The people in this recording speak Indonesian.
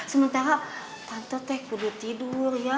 sementara tante teh kudu tidur ya